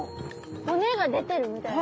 骨が出てるみたいな。